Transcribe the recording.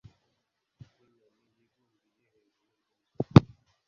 nk’inyoni yigungiye hejuru y’inzu